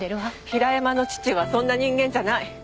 平山の義父はそんな人間じゃない！